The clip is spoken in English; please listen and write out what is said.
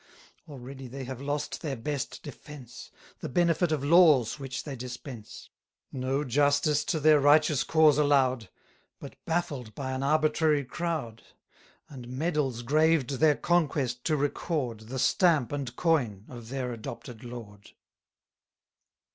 Already they have lost their best defence The benefit of laws which they dispense. 140 No justice to their righteous cause allow'd; But baffled by an arbitrary crowd. And medals graved their conquest to record, The stamp and coin of their adopted lord.